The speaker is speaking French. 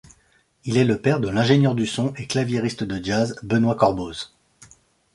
Il est le père de l'ingénieur du son et claviériste de jazz Benoît Corboz.